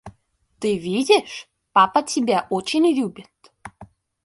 Ты видишь, папа тебя очень любит!